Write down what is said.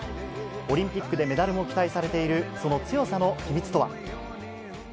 オリンピックでメダルも期待されているその強さの秘密とは。